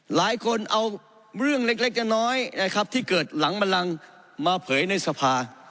หลายคนเอาเรื่องเล็กน้อยนะครับที่เกิดหลังบันลังมาเผยในสภา